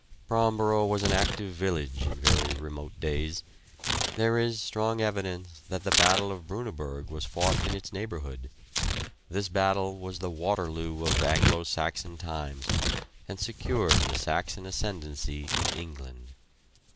Bromborough was an active village in very remote days. There is strong evidence that the battle of Brunaburg was fought in its neighbourhood this battle was the "Waterloo" of Anglo Saxon times, and secured the Saxon ascendancy in England.